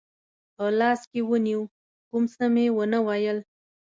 په لاس کې ونیو، کوم څه مې و نه ویل.